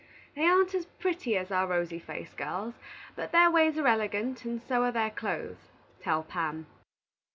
They aren't as pretty as our rosy faced girls, but their ways are elegant, and so are their clothes, tell Pam.